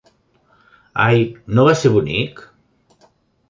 Ai, no va ser bonic?